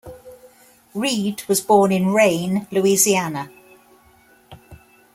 Reed was born in Rayne, Louisiana.